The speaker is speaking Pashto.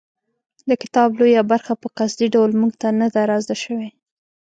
د کتاب لویه برخه په قصدي ډول موږ ته نه ده رازده شوې.